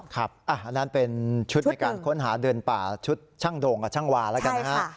อันนั้นเป็นชุดในการค้นหาเดินป่าชุดช่างโด่งกับช่างวาแล้วกันนะฮะ